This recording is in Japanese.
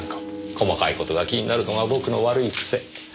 細かい事が気になるのが僕の悪い癖。